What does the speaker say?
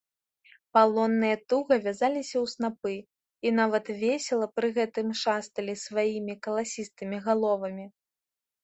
Палонныя туга вязаліся ў снапы й нават весела пры гэтым шасталі сваімі каласістымі галовамі.